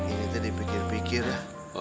ini tadi pikir pikir lah